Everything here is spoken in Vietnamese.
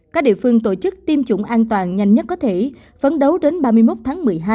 các địa phương tổ chức tiêm chủng an toàn nhanh nhất có thể phấn đấu đến ba mươi một tháng một mươi hai